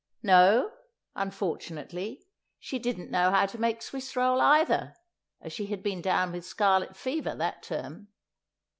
... No, unfortunately, she didn't know how to make Swiss roll either, as she had been down with scarlet fever that term.